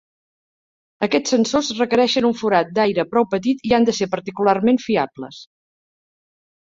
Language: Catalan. Aquests sensors requereixen un forat d'aire prou petit i han de ser particularment fiables.